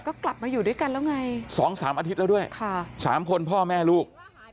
ก็กลับมาอยู่ด้วยกันแล้วไง๒๓อาทิตย์แล้วด้วย๓คนพ่อแม่ลูก